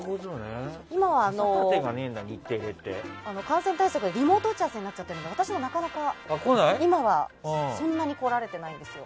今は感染対策の影響でリモート打ち合わせになってるので私も、なかなか今は来られてないんですよ。